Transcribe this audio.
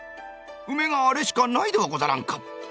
ウメがあれしかないではござらんか」。